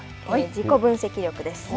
自己分析力です。